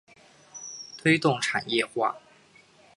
推动产业化